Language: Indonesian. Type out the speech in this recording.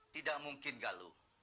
tidak mungkin galuh